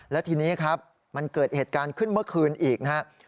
และทีนี้ครับมันเกิดเหตุการณ์ขึ้นเมื่อคืนอีกนะครับ